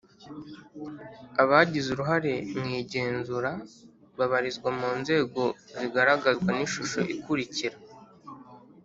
Abagize uruhare mu igenzura babarizwa mu nzego zigaragazwa n ishusho ikurikira